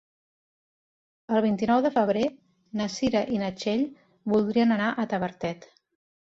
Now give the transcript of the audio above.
El vint-i-nou de febrer na Cira i na Txell voldrien anar a Tavertet.